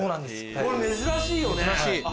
これ珍しいよね。